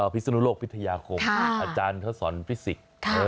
พิศนุโรคพิธยาคมอาจารย์เขาสอนฟิสิกส์